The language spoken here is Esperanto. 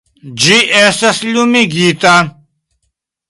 Ĝi estas lumigita...